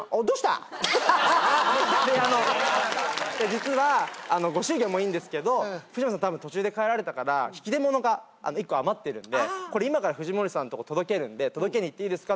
実はご祝儀はもういいんですけど藤森さん途中で帰られたから引き出物が１個余ってるんで今から藤森さんとこ届けるんで届けに行っていいですか？